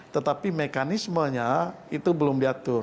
tetapi mekanismenya itu belum diatur